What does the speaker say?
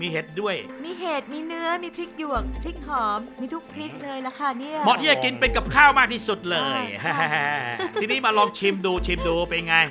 หมอเฮียกินเป็นกับข้าวมากที่สุดเลยทีนี้มาลองชิมดูชิมดูเป็นไง